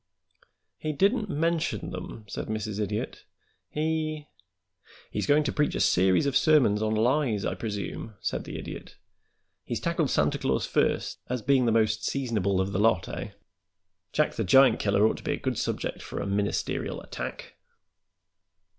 "He didn't mention them," said Mrs. Idiot. "He " "He's going to preach a series of sermons on lies, I presume," said the Idiot. "He's tackled Santa Claus first, as being the most seasonable of the lot, eh? Jack the Giant Killer ought to be a good subject for a ministerial attack."